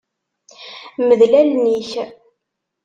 Mdel allen-ik.